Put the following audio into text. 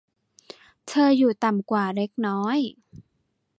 เธออยู่ต่ำกว่าเล็กน้อย